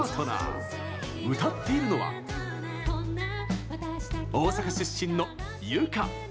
歌っているのは大阪出身の有華。